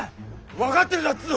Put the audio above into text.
分がってるだっつうの！